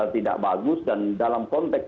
tidak bagus dan dalam konteks